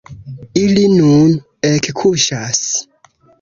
Ili nun ekkuŝas.